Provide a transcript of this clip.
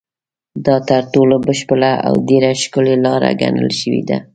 دا تر ټولو بشپړه او ډېره ښکلې لاره ګڼل شوې ده.